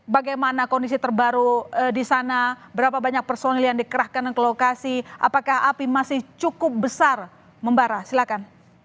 bagaimana kondisi terbaru di sana berapa banyak personil yang dikerahkan ke lokasi apakah api masih cukup besar membara silahkan